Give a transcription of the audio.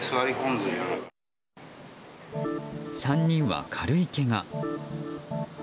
３人は軽いけが。